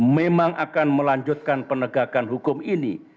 memang akan melanjutkan penegakan hukum ini